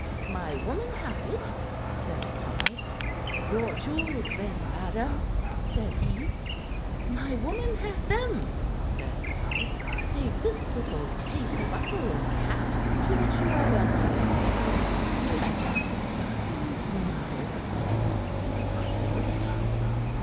"'My woman hath it,' said I. "'Your jewels then, madam,' said he. "'My woman hath them,' said I, 'save this paste buckle in my hat, to which you are welcome.' It was diamonds, you know; but I knew he would not know that.